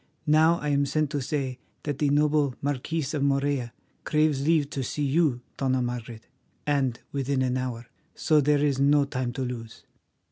Now I am sent to say that the noble Marquis of Morella craves leave to see you, Dona Margaret, and within an hour. So there is no time to lose."